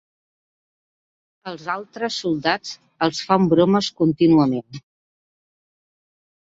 Els altres soldats els fan bromes contínuament.